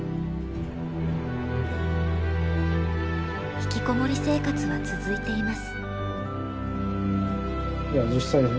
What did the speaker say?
ひきこもり生活は続いています。